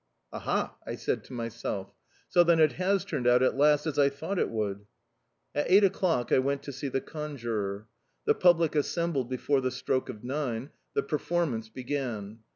"Aha!" I said to myself, "so then it has turned out at last as I thought it would." At eight o'clock I went to see the conjurer. The public assembled before the stroke of nine. The performance began.